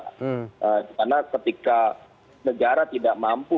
karena ketika negara tidak mampu